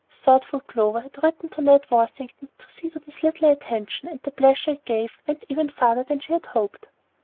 Thoughtful Clover had written to Ned Worthington to see to this little attention, and the pleasure it gave went even farther than she had hoped.